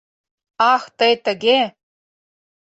— Ах, тый тыге!